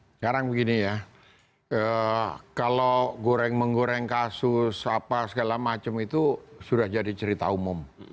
sekarang begini ya kalau goreng menggoreng kasus apa segala macam itu sudah jadi cerita umum